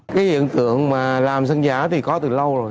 cái hiện tượng mà làm xăng giả thì có từ lâu rồi